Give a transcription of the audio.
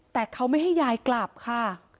แต่เขาไม่ให้ยายกลับค่ะ